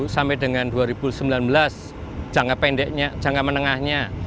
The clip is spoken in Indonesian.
sampai dengan dua ribu sembilan belas jangka pendeknya jangka menengahnya